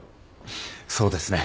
そうですね。